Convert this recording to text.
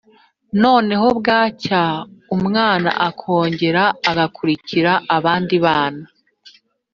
Noneho bwacya umwana akongera agakurikira abandi bana.